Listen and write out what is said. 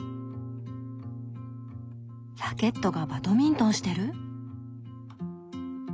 ラケットがバドミントンしてる？